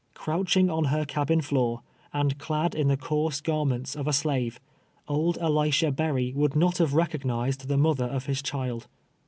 Crouching on her cabin floor, and clad in the coarse garments of a slave, old Elisha Berry would not have recognized the moth er of his child.